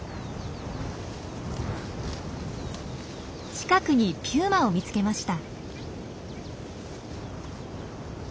近くにピューマを見つけました。